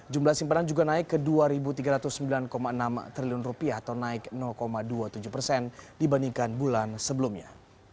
jumlah simpanan juga naik ke dua tiga ratus sembilan enam triliun atau naik dua puluh tujuh persen dibandingkan bulan sebelumnya